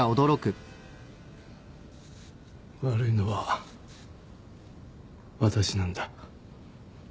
悪いのは私なんだ。